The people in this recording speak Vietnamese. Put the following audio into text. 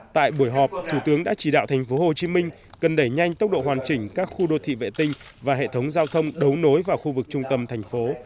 tại buổi họp thủ tướng đã chỉ đạo thành phố hồ chí minh cần đẩy nhanh tốc độ hoàn chỉnh các khu đô thị vệ tinh và hệ thống giao thông đấu nối vào khu vực trung tâm thành phố